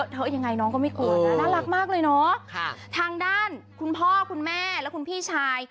ยังไงน้องก็ไม่กลัวนะน่ารักมากเลยเนาะทางด้านคุณพ่อคุณแม่และคุณพี่ชาย